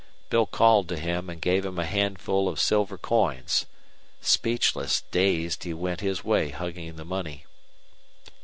Bill called to him and gave him a handful of silver coins. Speechless, dazed, he went his way hugging the money.